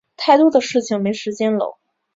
太多的事情没时间搂